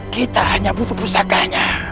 kita hanya butuh pusakanya